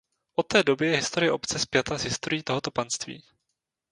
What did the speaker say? Od té doby je historie obce spjata s historií tohoto panství.